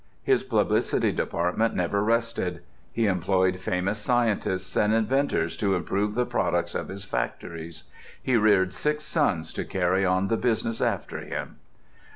His publicity department never rested. He employed famous scientists and inventors to improve the products of his factories. He reared six sons to carry on the business after him.